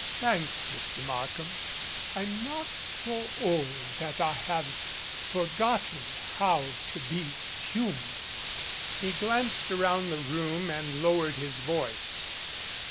"Thanks, Mr. Markham, I'm not so old that I have forgotten how to be human." 311 MADCAP He glanced around the room and lowered his voice.